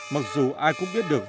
mặc dù ai cũng biết được